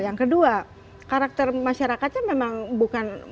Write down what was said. yang kedua karakter masyarakatnya memang bukan